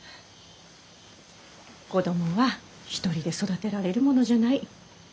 子供は一人で育てられるものじゃない。